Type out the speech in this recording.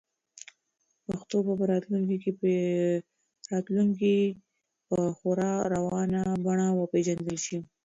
پښتو به په راتلونکي کې په خورا روانه بڼه وپیژندل شي.